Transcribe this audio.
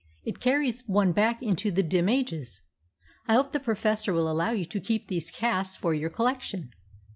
It carries one back into the dim ages. I hope the Professor will allow you to keep these casts for your collection."